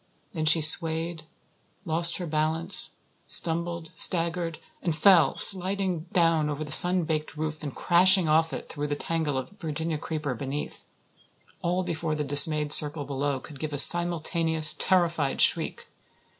Then she swayed, lost her balance, stumbled, staggered, and fell, sliding down over the sun baked roof and crashing off it through the tangle of Virginia creeper beneath all before the dismayed circle below could give a simultaneous, terrified shriek.